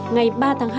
ngày ba tháng hai